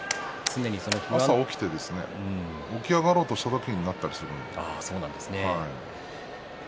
朝起きて起き上がろうとした時になったりするんです。